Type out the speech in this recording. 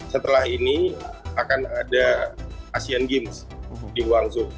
setelah ini akan ada asian games di guangzhou